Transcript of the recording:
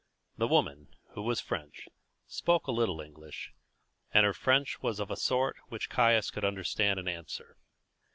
The woman, who was French, spoke a little English, and her French was of a sort which Caius could understand and answer.